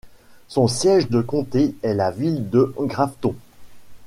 Son siège de comté est la ville de Grafton.